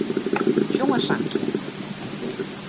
Sjong in sankje.